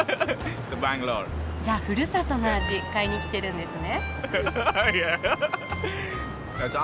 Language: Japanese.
じゃふるさとの味買いに来てるんですね？